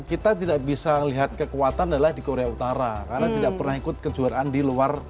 kita tidak bisa melihat kekuatan adalah di korea utara karena tidak pernah ikut kejuaraan di luar